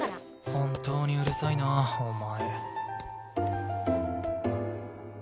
本当にうるさいなお前。